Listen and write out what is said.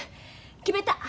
決めた。